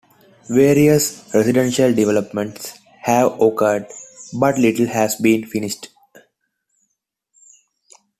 Various residential developments have occurred, but little has been finished.